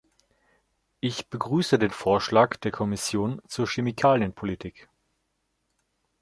Ich begrüße den Vorschlag der Kommission zur Chemikalienpolitik.